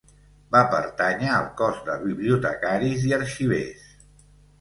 Va pertànyer al Cos de Bibliotecaris i Arxivers.